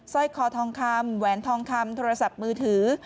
ร้อยคอทองคำแหวนทองคำโทรศัพท์มือถือ